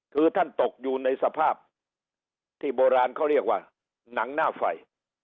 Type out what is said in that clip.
คือท่านตกอยู่ในสภาพที่โบราณเขาเรียกว่าหนังหน้าไฟ